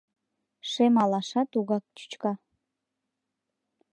Шем алаша тугак чӱчка.